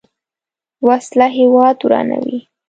وسله هیواد ورانوي